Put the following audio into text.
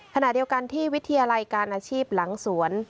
ขณะเดียวกันที่วิทยาลัยการอาชีพหลังสวน